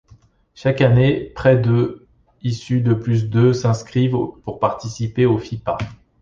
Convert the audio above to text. Chaque année près de issus de plus de s’inscrivent pour participer au Fipa.